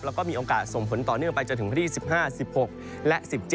แล้วก็มีโอกาสส่งผลต่อเนื่องไปจนถึงวันที่๑๕๑๖และ๑๗